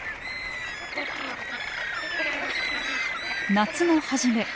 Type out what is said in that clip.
夏の初め。